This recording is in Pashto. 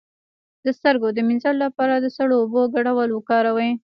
د سترګو د مینځلو لپاره د سړو اوبو ګډول وکاروئ